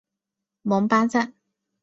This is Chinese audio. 蒙巴赞。